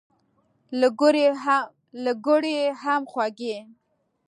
له ګوړې هم خوږې.